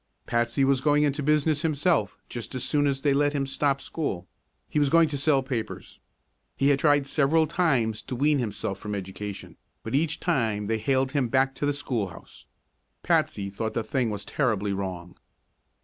Patsy was going into business himself just as soon as they let him stop school; he was going to sell papers. He had tried several times to wean himself from education, but each time they haled him back to the schoolhouse. Patsy thought the thing was terribly wrong.